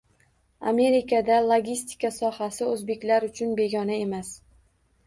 Amerikada logistika sohasi oʻzbeklar uchun begona emas.